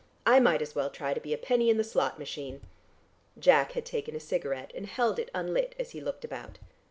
I might as well try to be a penny in the slot machine!" Jack had taken a cigarette and held it unlit as he looked about.